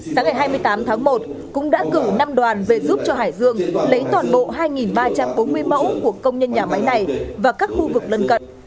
sáng ngày hai mươi tám tháng một cũng đã cử năm đoàn về giúp cho hải dương lấy toàn bộ hai ba trăm bốn mươi mẫu của công nhân nhà máy này và các khu vực lân cận